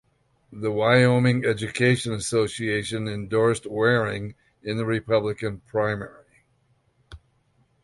The Wyoming Education Association endorsed Waring in the Republican primary.